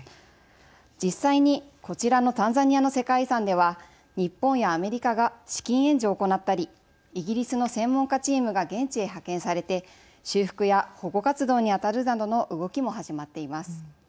実際に、こちらのタンザニアの世界遺産では日本やアメリカが資金援助を行ったりイギリスの専門家チームが現地へ派遣されて修復や保護活動に当たるなどの動きも始まっています。